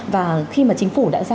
và khi mà chính phủ đã ra